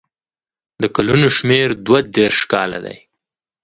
د کلونو شمېر دوه دېرش کاله دی.